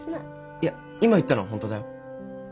いや今言ったのは本当だよ。